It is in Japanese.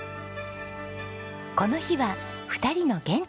この日は２人の原点へ。